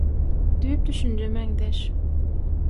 Düýp düşünje meňzeş.